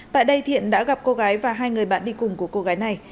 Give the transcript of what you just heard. tại đây thiện đã gặp cô gái và hai người bạn đi cùng của cô gái này